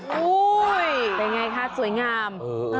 เป็นยังไงค่ะสวยงาม